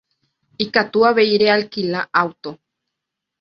Ikatu avei realquila auto.